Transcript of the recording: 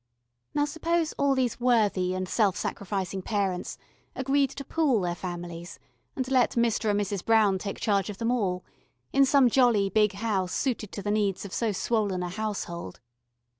Now suppose all these worthy and self sacrificing parents agreed to pool their families and let Mr. and Mrs. Brown take charge of them all in some jolly big house suited to the needs of so swollen a household.